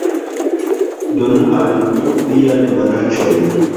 Donu al mi vian manaĉon